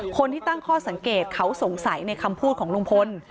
คนที่ตั้งข้อสังเกตเขาสงสัยในคำพูดของลุงพล